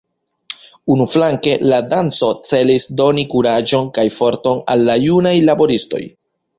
Unuflanke la danco celis doni kuraĝon kaj forton al la junaj laboristoj.